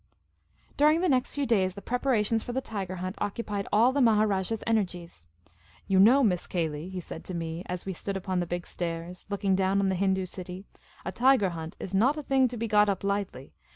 During the next few days, the preparations for the tiger hunt occupied all the Maharajah's energies. " You know. Miss Cayley," he said to me, as we stood upon the big stairs, looking down on the Hindoo city, " a tiger hunt is not a thing to be got up lightly.